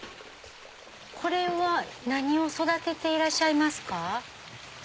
これは何を育てていらっしゃいますか？